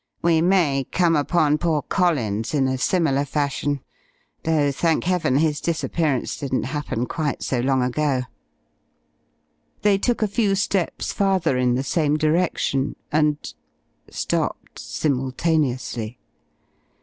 We may come upon poor Collins in a similar fashion though thank Heaven his disappearance didn't happen quite so long ago." They took a few steps farther in the same direction and stopped simultaneously.